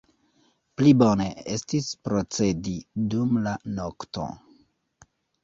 Pli bone estis procedi dum la nokto.